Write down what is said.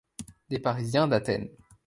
Des parisiens d’Athènes